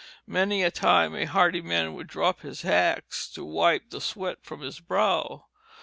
Many a time a hearty man would drop his axe to wipe the sweat from his brow.